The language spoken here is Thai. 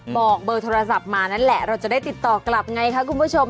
บอกเบอร์โทรศัพท์มานั่นแหละเราจะได้ติดต่อกลับไงคะคุณผู้ชม